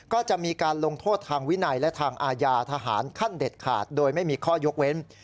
ก็จะมีการลงโทษทางวินัยและทางอาญาทหารขั้นเด็ดขาดโดยไม่มีข้อยกเว้น